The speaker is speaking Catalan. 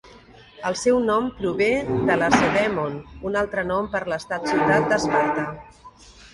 El seu nom prové de Lacedèmon, un altre nom per a l'estat-ciutat d'Esparta.